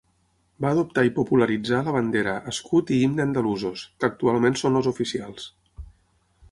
Va adoptar i popularitzar la bandera, escut i himne andalusos, que actualment són els oficials.